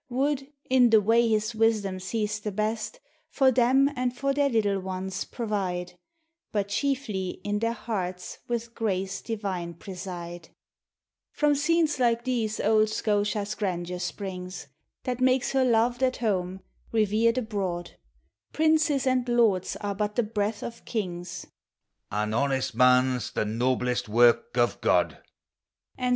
Would, in the way his wisdom sees the best, For them and for their little ones provide; But, chiefly, in their hearts with grace divine pre side. From scenes like these old Scotia's grandeur springs, That makes her loved at home, revered abroad ; Princes and lords are but the breath of kings, " An honest man 's the noblest work of God